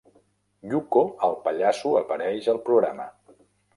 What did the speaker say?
Yucko el pallasso apareix al programa.